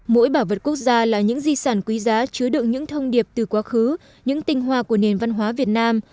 mỗi bảo vật quốc gia là những di sản quý giá chứa đựng những thông điệp từ quá khứ những tinh hoa của nền văn hóa việt nam